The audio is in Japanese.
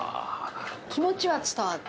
気持ちは伝わる。